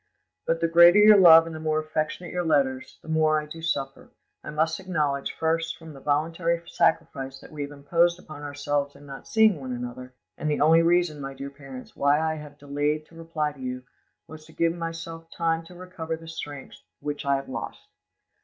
"But the greater your love and the more affectionate your letters, the more do I suffer, I must acknowledge, from the voluntary sacrifice that we have imposed upon ourselves in not seeing one another; and the only reason, my dear parents, why I have delayed to reply to you, was to give myself time to recover the strength which I have lost.